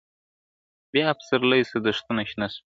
بیا پسرلی سو دښتونه شنه سول ..